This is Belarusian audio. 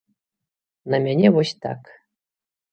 На мяне вось так.